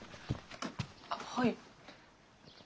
あっはい。